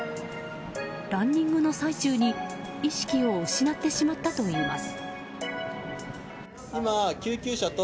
ランニングの最中に意識を失ってしまったといいます。